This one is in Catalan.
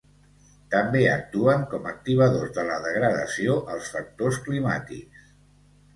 També actuen com activadors de la degradació els factors climàtics.